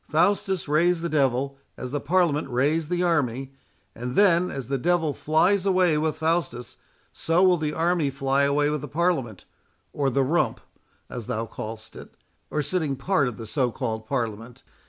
Faustus raised the devil, as the Parliament raised the army, and then, as the devil flies away with Faustus, so will the army fly away with the Parliament, or the rump, as thou call'st it, or sitting part of the so called Parliament.